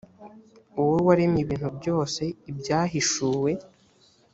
wowe waremye ibintu byose ibyahishuwe